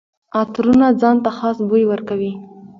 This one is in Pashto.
عطرونه ځان ته خاص بوی ورکوي.